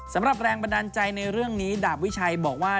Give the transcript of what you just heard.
แรงบันดาลใจในเรื่องนี้ดาบวิชัยบอกว่า